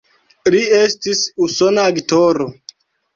Li estis usona aktoro.